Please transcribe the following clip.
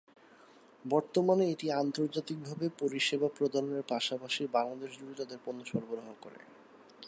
বর্তমানে এটি আন্তর্জাতিকভাবে পরিষেবা প্রদানের পাশাপাশি বাংলাদেশ জুড়ে তাদের পণ্য সরবরাহ করে।